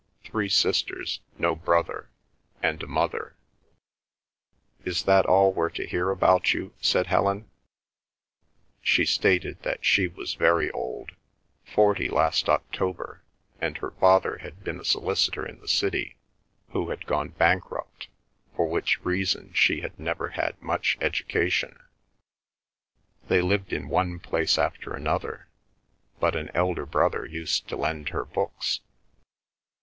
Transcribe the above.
"Three sisters, no brother, and a mother." "Is that all we're to hear about you?" said Helen. She stated that she was very old—forty last October, and her father had been a solicitor in the city who had gone bankrupt, for which reason she had never had much education—they lived in one place after another—but an elder brother used to lend her books.